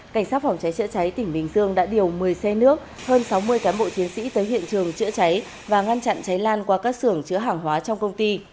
cảnh sát phòng cháy chữa cháy tỉnh bình dương đã điều một mươi xe nước hơn sáu mươi cán bộ chiến sĩ tới hiện trường chữa cháy và ngăn chặn cháy lan qua các xưởng chữa hàng hóa trong công ty